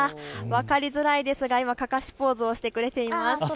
分かりづらいですが今、かかしポーズをしてくれています。